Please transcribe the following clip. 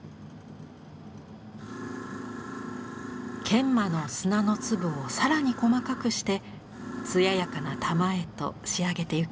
研磨の砂の粒を更に細かくして艶やかな玉へと仕上げてゆきます。